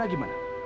dan itu juga